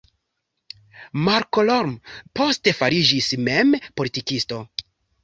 Malcolm poste fariĝis mem politikisto.